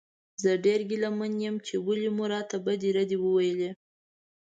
زه ډېر ګیله من یم چې ولې مو راته بدې ردې وویلې.